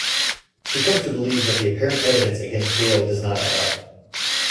She comes to believe that the apparent evidence against Gale does not add up.